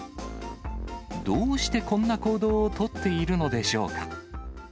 どうしてこんな行動を取っているのでしょうか。